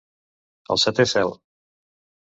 Al setè cel.